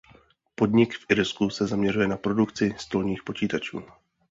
Podnik v Irsku se zaměřuje na produkci stolních počítačů.